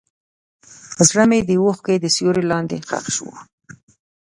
زړه مې د اوښکو تر سیوري لاندې ښخ شو.